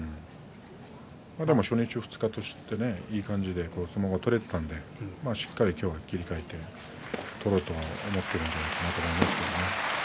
でも初日、２日といい感じで相撲は取れていたのでしっかり今日は切り替えて取ろうと思ってるんじゃないかと思いますけどね。